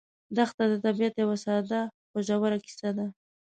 دښته د طبیعت یوه ساده خو ژوره کیسه ده.